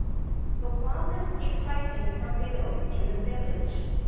The wildest excitement prevailed in the village.